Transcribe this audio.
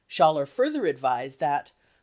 Schaller further advised that the